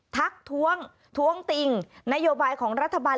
ทักท้วงท้วงติงนโยบายของรัฐบาล